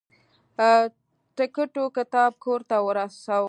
تکتو کتاب کور ته ورسه.